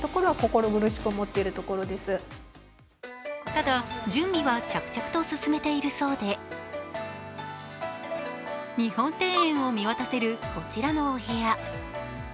ただ、準備は着々と進めているそうで日本庭園を見渡せるこちらのお部屋。